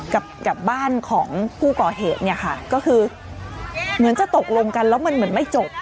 กับกับบ้านของผู้ก่อเหตุเนี่ยค่ะก็คือเหมือนจะตกลงกันแล้วมันเหมือนไม่จบ